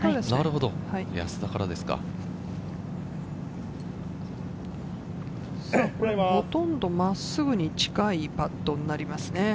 ほとんど真っすぐに近いパットになりますね。